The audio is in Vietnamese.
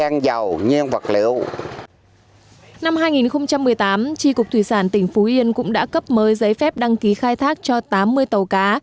năm hai nghìn một mươi tám tri cục thủy sản tỉnh phú yên cũng đã cấp mới giấy phép đăng ký khai thác cho tám mươi tàu cá